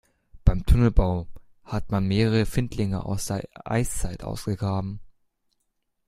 Beim Tunnelbau hat man mehrere Findlinge aus der Eiszeit ausgegraben.